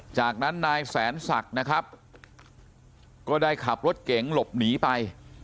จากนั้นนายแสนศักดิ์นะครับก็ได้ขับรถเก๋งหลบหนีไป